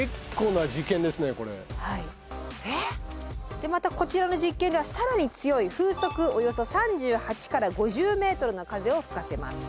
でまたこちらの実験では更に強い風速およそ３８５０ｍの風を吹かせます。